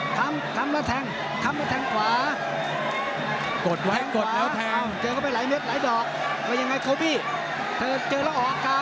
คำคำแล้วแทงคำแล้วแทงขวา